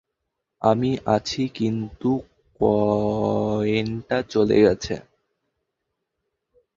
আমি আছি কিন্তু কয়েনটা চলে গেছে।